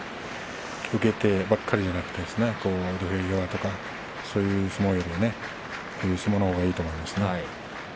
受けてばかりではなくて土俵際、そういう相撲のほうがいいと思います。